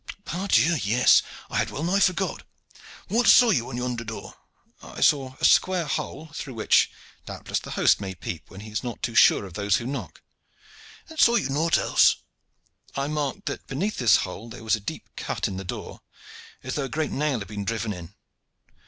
"Pardieu! yes, I had well nigh forgot. What saw you on yonder door?" "I saw a square hole, through which doubtless the host may peep when he is not too sure of those who knock." "And saw you naught else?" "I marked that beneath this hole there was a deep cut in the door, as though a great nail had been driven in."